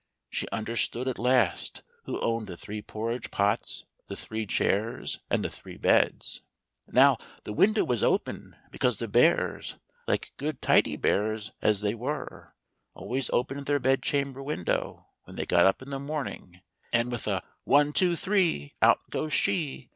She understood at last who owned the three porridge pots, the three chairs, and the three beds. Now the window was open, because the bears, like good tidy bears, as they were, always opened their bed chamber window when they got up in the morning, and with a One, two, three, out goes she